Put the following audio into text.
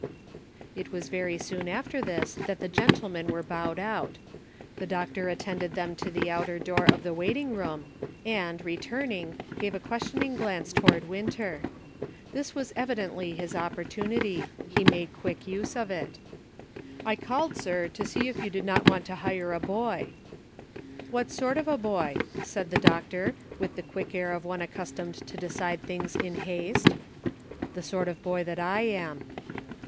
It was very soon after this that the gentlemen were bowed out ; the doctor attended them to the outer door of the waiting room, and, returning, gave a questioning glance toward Winter. This was evidently his opportunity ; he made quick use of it: " I called, sir, to see if you did not want to hire a boy." "What sort of a boy .^" said the doctor, with the quick air of one accustomed to decide things in haste. " The sort of boy that I am."